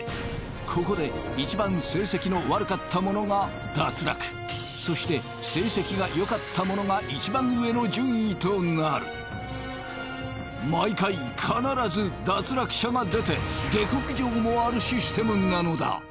ここで一番成績の悪かった者が脱落そして成績がよかった者が一番上の順位となる毎回必ず脱落者が出て下剋上もあるシステムなのだ